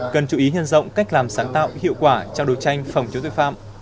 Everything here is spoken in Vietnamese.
cần chú ý nhân rộng cách làm sáng tạo hiệu quả trong đấu tranh phòng chống tội phạm